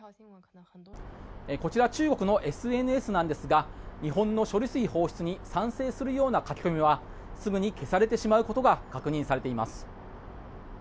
こちら中国のＳＮＳなんですが日本の処理水放出に賛成するような書き込みはすぐに消されてしまうことが確認されています。